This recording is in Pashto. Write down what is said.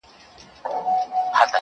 د اوښ بـارونـه پـــه واوښـتـل